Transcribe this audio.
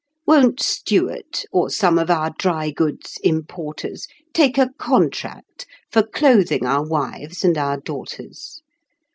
Won't Stewart, or some of our dry goods importers, Take a contract for clothing our wives and our daughters?